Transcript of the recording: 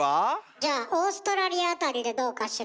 じゃあオーストラリア辺りでどうかしら？